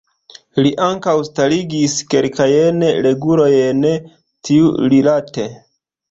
Li ankaŭ starigis kelkajn regulojn tiurilate.